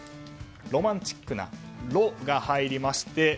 ロマンチックな「ロ」が入りまして